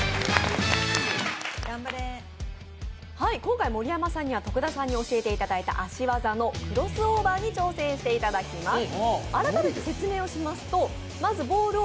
今回、盛山さんには徳田さんに教えていただいた足技のクロスオーバーに挑戦していただきます。